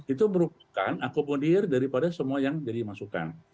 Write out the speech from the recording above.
itu merupakan akomodir daripada semua yang dimasukkan